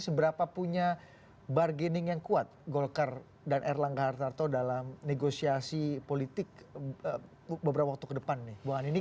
seberapa punya bargaining yang kuat golkar dan erlangga hartarto dalam negosiasi politik beberapa waktu ke depan nih bu anidi